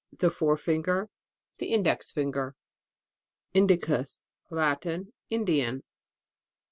] The fore finger, the in ^ dex finger. INDICUS. Latin. Indian.